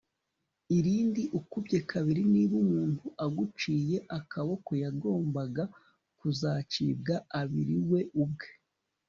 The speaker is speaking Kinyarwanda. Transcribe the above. irindi ukubye kabiri niba umuntu aguciye akaboko yagombaga kuzacibwa abiri, we ubwe